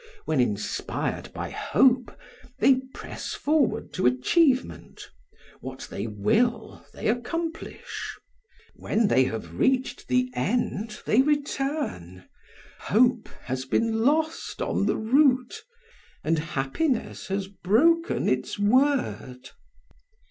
When inspired by hope, they press forward to achievement; what they will, they accomplish. When they have reached the end, they return; hope has been lost on the route, and happiness has broken its word."